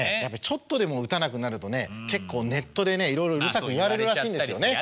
ちょっとでも打たなくなるとね結構ネットでねいろいろうるさく言われるらしいんですよね。